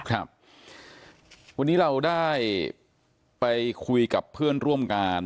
ครับวันนี้เราได้ไปคุยกับเพื่อนร่วมงาน